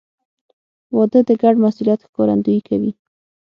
• واده د ګډ مسؤلیت ښکارندویي کوي.